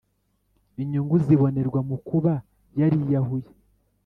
Inyungu zibonerwa mu kuba yariyahuye